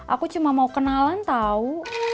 aku cuma mau kenalan tahu